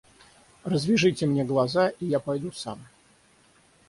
Развяжите мне глаза и я пойду сам.